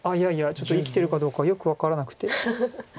ちょっと生きてるかどうかよく分からなくて。